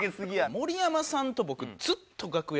盛山さんと僕ずっと楽屋で。